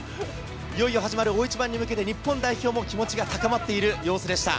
いよいよ始まる大一番に向けて日本代表も気持ちが高まっている様子でした。